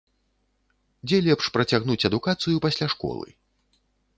Дзе лепш працягнуць адукацыю пасля школы?